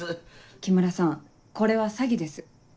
木村さんこれは詐欺です。